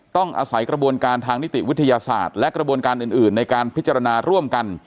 ต้องอาศัยกระบวนการทางนิติวิทยาศาสตร์และกระบวนการอื่นในการพิจารณาร่วมกัน